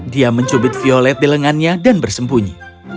dia mencubit violet di lengannya dan bersembunyi